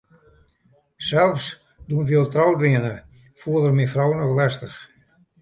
Sels doe't wy al troud wiene, foel er myn frou noch lestich.